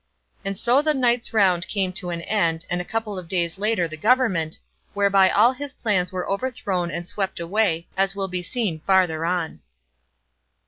And so the night's round came to an end, and a couple of days later the government, whereby all his plans were overthrown and swept away, as will be seen farther on.